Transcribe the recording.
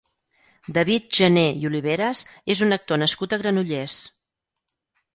David Janer i Oliveras és un actor nascut a Granollers.